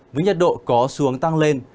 với nhật độ có xu hướng tăng lên